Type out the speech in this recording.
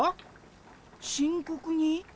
深刻に？